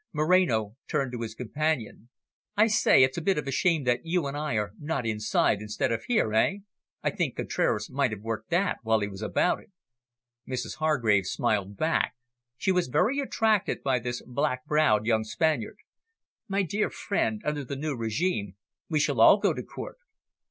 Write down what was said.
Moreno turned to his companion. "I say, it's a bit of a shame that you and I are not inside instead of here, eh? I think Contraras might have worked that while he was about it." Mrs Hargrave smiled back; she was very attracted by this black browed young Spaniard. "My dear friend, under the new regime, we shall all go to Court."